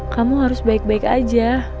kamu harus baik baik aja